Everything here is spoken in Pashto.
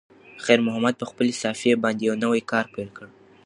خیر محمد په خپلې صافې باندې یو نوی کار پیل کړ.